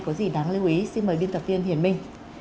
có gì đáng lưu ý xin mời biên tập viên hiển minh